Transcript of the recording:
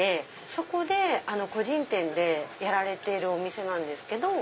そこで個人店でやられているお店なんですけど。